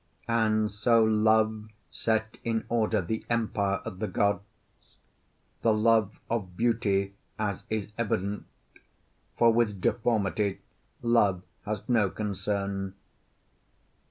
And so Love set in order the empire of the gods the love of beauty, as is evident, for with deformity Love has no concern.